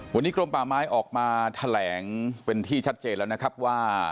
วันนี้กรมป่าไม้ออกมาแถลงเป็นที่ชัดเจนแล้วนะครับว่า